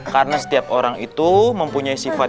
karena setiap orang itu mempunyai sifat